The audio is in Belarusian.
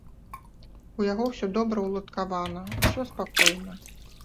У яго усё добра уладкавана, усё спакойна.